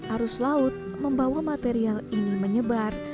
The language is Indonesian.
arus laut membawa material ini menyebar